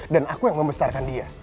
dan aku yang membesarkan dia